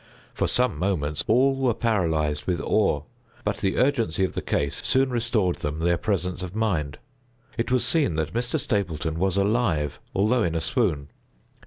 For some moments all were paralyzed with awe—but the urgency of the case soon restored them their presence of mind. It was seen that Mr. Stapleton was alive, although in a swoon.